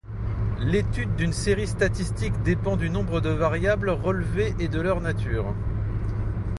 L’étude d’une série statistique dépend du nombre de variables relevées et de leur nature.